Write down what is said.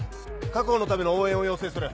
確保のための応援を要請する。